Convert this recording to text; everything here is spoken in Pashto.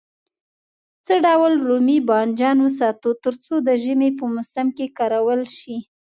څه ډول رومي بانجان وساتو تر څو د ژمي په موسم کې کارول شي.